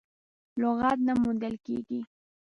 لغت نه موندل کېږي.